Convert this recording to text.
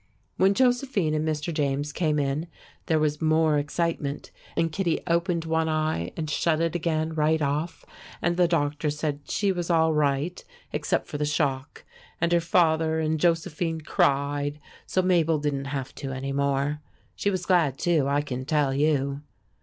When Josephine and Mr. James came in there was more excitement, and Kittie opened one eye and shut it again right off, and the doctor said she was all right except for the shock, and her father and Josephine cried, so Mabel didn't have to any more. She was glad, too, I can tell you.